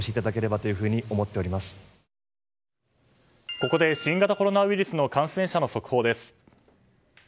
ここで新型コロナウイルスの感染者の速報です。